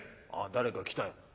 「あっ誰か来たよ」。